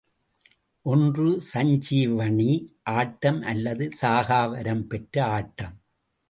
ஒன்று சஞ்சீவணி ஆட்டம் அல்லது சாகா வரம் பெற்ற ஆட்டம்.